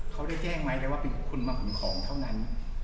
เขาได้แจ้งไหมว่าคุณมาขนของเท่านั้น